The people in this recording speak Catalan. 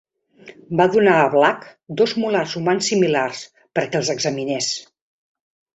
Va donar a Black dos molars humans similars perquè els examinés.